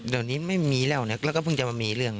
เดี๋ยวนี้ไม่มีแล้วนะแล้วก็เพิ่งจะมามีเรื่อง